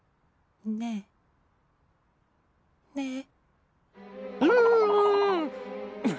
ねえねえ。